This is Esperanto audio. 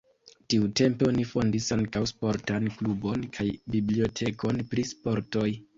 Tiutempe oni fondis ankaŭ sportan klubon kaj bibliotekon pri sportoj.